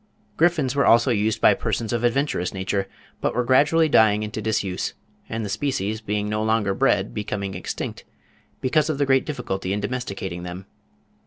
Griffins were also used by persons of adventurous nature, but were gradually dying into disuse, and the species being no longer bred becoming extinct, because of the great difficulty in domesticating them.